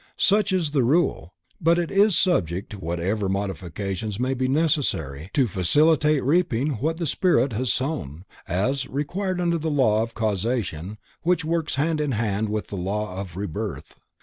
Such is the rule, but it is subject to whatever modifications may be necessary to facilitate reaping what the spirit has sown, as required under the law of Causation which works hand in hand with the law of Rebirth.